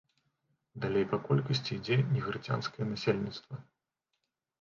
Далей па колькасці ідзе негрыцянскае насельніцтва.